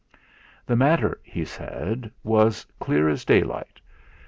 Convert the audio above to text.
The matter he said was clear as daylight.